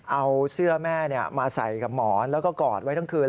เอาเสื้อแม่มาใส่กับหมอนแล้วก็กอดไว้ทั้งคืน